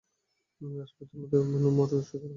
রাজপুতদের মধ্যে বুনো শোর শিকার করে খাওয়া একটা ধর্মবিশেষ।